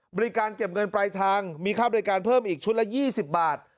บริการเก็บเงินปลายทางมีค่าบริการเพิ่มอีกชุดละ๒๐บาท